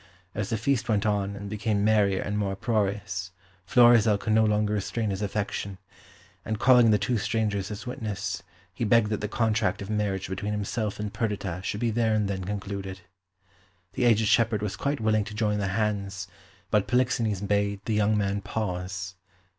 As the feast went on and became merrier and more uproarious, Florizel could no longer restrain his affection; and calling the two strangers as witness, he begged that the contract of marriage between himself and Perdita should be there and then concluded. The aged shepherd was quite willing to join their hands, but Polixenes bade the young man pause.